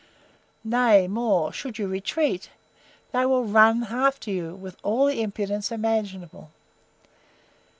Nay, more, should you RETREAT, they will run after you with all the impudence imaginable.